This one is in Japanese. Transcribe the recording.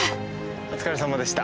お疲れさまでした。